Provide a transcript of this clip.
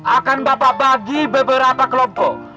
akan bapak bagi beberapa kelompok